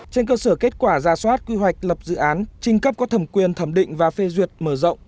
trên cơ sở kết quả ra soát quy hoạch lập dự án trình cấp có thẩm quyền thẩm định và phê duyệt mở rộng